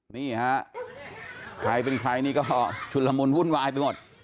นี่ฮะใครเป็นใครนี่ก็ชุดละมุนวุ่นวายไปหมด